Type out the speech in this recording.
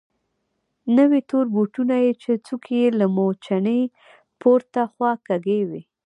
نوي تور بوټونه يې چې څوکې يې لکه موچڼې پورته خوا کږې وې.